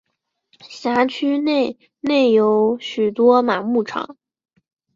辖区内内有许多马牧场。